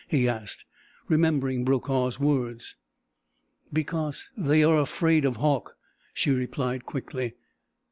he asked, remembering Brokaw's words. "Because they are afraid of Hauck," she replied quickly.